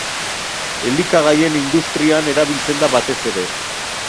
Elikagaien industrian erabiltzen da batez ere.